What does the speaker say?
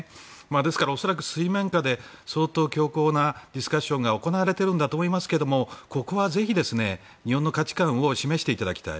ですから恐らく水面下で相当、強硬なディスカッションが行われているんだと思いますがここはぜひ、日本の価値観を示していただきたい。